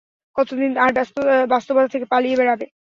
কতদিন আর বাস্তবতা থেকে পালিয়ে বেড়াবে?